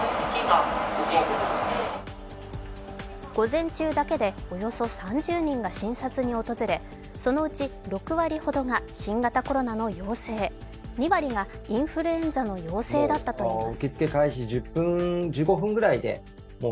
午前中だけでおよそ３０人が診察に訪れそのうち６割ほどが新型コロナの陽性、２割がインフルエンザの陽性だったといいます。